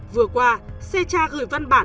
vừa qua secha gửi văn bản